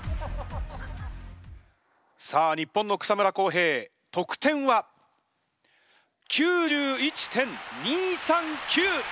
さあ日本の草村航平得点は９１．２３９！